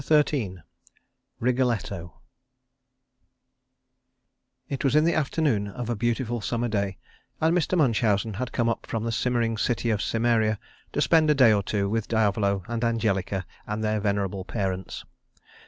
XIII WRIGGLETTO It was in the afternoon of a beautiful summer day, and Mr. Munchausen had come up from the simmering city of Cimmeria to spend a day or two with Diavolo and Angelica and their venerable parents.